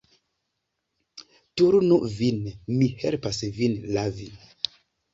Turnu vin, mi helpas vin lavi.